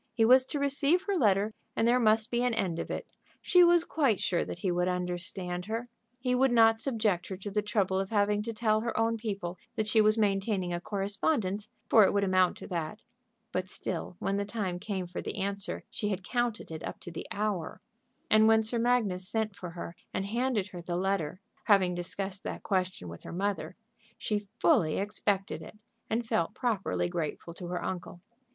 He was to receive her letter, and there must be an end of it. She was quite sure that he would understand her. He would not subject her to the trouble of having to tell her own people that she was maintaining a correspondence, for it would amount to that. But still when the time came for the answer she had counted it up to the hour. And when Sir Magnus sent for her and handed to her the letter, having discussed that question with her mother, she fully expected it, and felt properly grateful to her uncle.